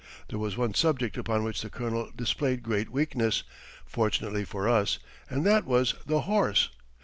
There was one subject upon which the Colonel displayed great weakness (fortunately for us) and that was the horse.